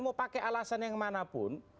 mau pakai alasan yang manapun